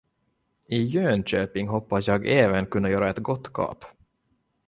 I Jönköping hoppas jag även kunna göra ett gott kap.